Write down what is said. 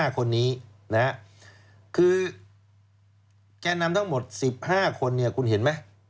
๕คนนี้คือแกนนำทั้งหมด๑๕คนเนี่ยคุณเห็นไหม